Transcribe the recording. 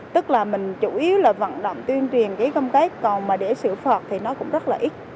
tức là mình chủ yếu là vận động tuyên truyền cái công tác còn mà để xử phạt thì nó cũng rất là ít